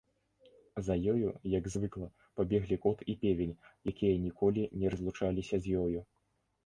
За ёю, як звыкла, пабеглі кот і певень, якія ніколі не разлучаліся з ёю.